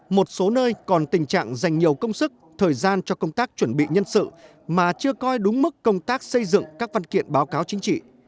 một số nơi còn tình trạng dành nhiều công sức thời gian cho công tác chuẩn bị nhân sự mà chưa coi đúng mức công tác xây dựng các văn kiện báo cáo chính trị